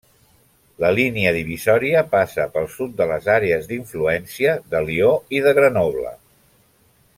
La línia divisòria passa pel sud de les àrees d'influència de Lió i de Grenoble.